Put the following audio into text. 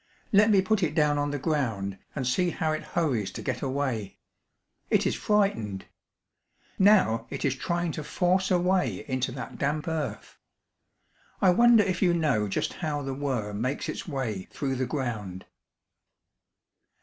Let me put it down on the ground and see how it hurries to get away. It is frightened. Now it is trying to force a way into that damp earth. I wonder if you know just how the worm makes its way through the ground."